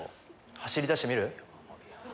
走り出してみる？